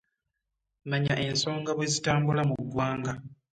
Manya ensonga nga bwe zitambula mu ggwanga.